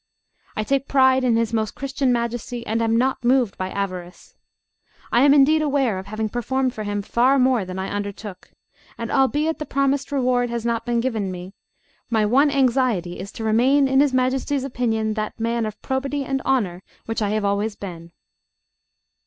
I take pride in his Most Christian Majesty and am not moved by avarice. I am indeed aware of having performed for him far more than I undertook; and albeit the promised reward has not been given me, my one anxiety is to remain in his Majesty's opinion that man of probity and honour which I have always been.